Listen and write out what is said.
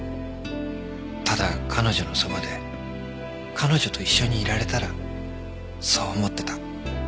ただ彼女のそばで彼女と一緒にいられたらそう思ってた。